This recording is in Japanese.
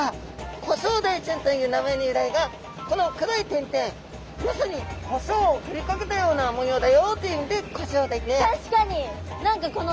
コショウダイちゃんという名前の由来がこの黒い点々まさにコショウをふりかけたような模様だよという意味でコショウダイで。